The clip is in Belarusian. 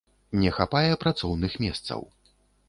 Не хапае працоўных месцаў.